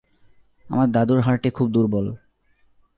আমার দাদুর হার্টে খুব দুর্বল।